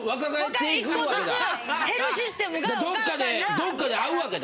どっかで合うわけだ。